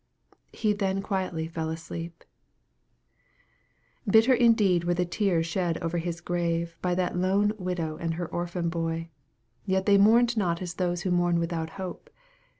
He then quietly fell asleep. Bitter indeed were the tears shed over his grave by that lone widow and her orphan boy; yet they mourned not as those who mourn without hope.